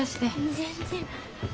全然。